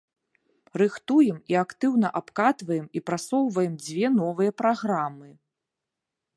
Рыхтуем і актыўна абкатваем і прасоўваем дзве новыя праграмы.